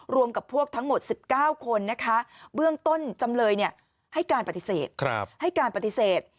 รวมกับพวกทั้งหมด๑๙คนนะคะเบื้องต้นจำเลยให้การปฏิเสธให้การปฏิเสธ